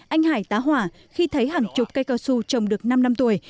anh hải tá hỏa khi thấy hàng chục cây cao su trồng được năm năm tuổi